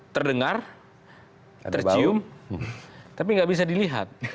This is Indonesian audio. terdengar tercium tapi nggak bisa dilihat